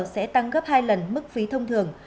sẽ tăng gấp hai lần mức phí thông thường